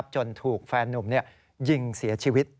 จนถูกแฟนนุ่มยิงเสียชีวิต